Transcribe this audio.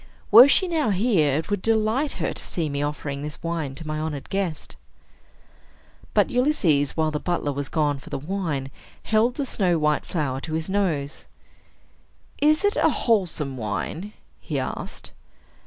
Were she now here, it would delight her to see me offering this wine to my honored guest." But Ulysses, while the butler was gone for the wine, held the snow white flower to his nose. "Is it a wholesome wine?" he asked.